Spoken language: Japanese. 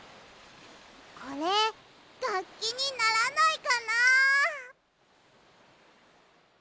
これがっきにならないかな。